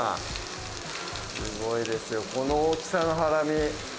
すごいですよこの大きさのハラミ。